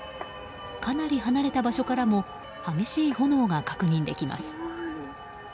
かなり離れた場所からも激しい炎が確認できます。